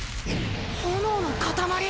炎の塊？